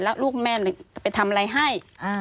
แล้วลูกแม่จะไปทำอะไรให้